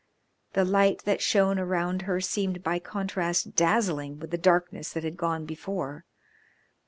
The light that shone around her seemed by contrast dazzling with the darkness that had gone before.